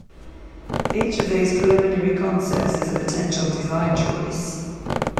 Each of these preliminary concepts is a potential design choice.